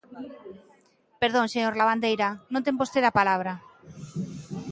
Perdón, señor Lavandeira, non ten vostede a palabra.